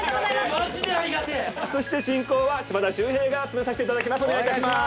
そして進行は島田秀平が務めさせていただきます。